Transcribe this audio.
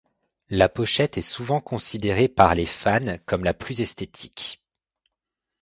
La pochette est souvent considérée par les fans comme la plus esthétique.